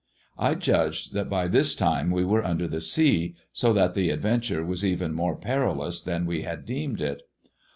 I judged that by this time we were under the sea, so that the adventure was even more perilous than we had deemed it.